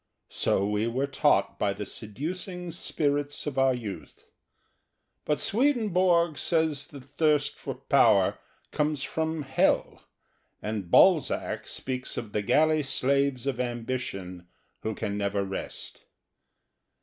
So we were taught by the seducing spirits of our youth. But Swedenborg says the thirst for power comes from hell, and Balzac speaks of the galley slaves of ambition who can never rest.